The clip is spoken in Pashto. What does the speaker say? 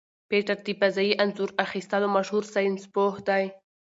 پېټټ د فضايي انځور اخیستلو مشهور ساینسپوه دی.